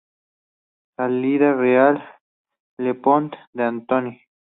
Salida real: Le Pont de Antony.